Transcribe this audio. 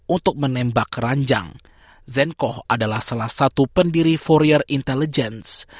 untuk menembak ranjang zenkoh adalah salah satu pendiri fourier intelligence